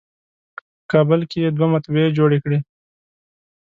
په کابل کې یې دوه مطبعې جوړې کړې.